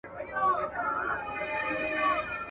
سوسياليستي افکار ټولنه ورانوي.